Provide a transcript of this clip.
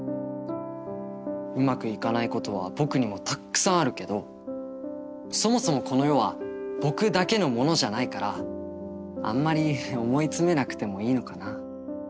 うまくいかないことは僕にもたくさんあるけどそもそもこの世は「僕だけのものじゃない」からあんまり思い詰めなくてもいいのかな。